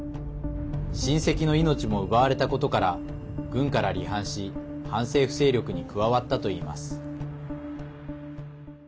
親戚の命も奪われたことから軍から離反し反政府勢力に加わったといいます。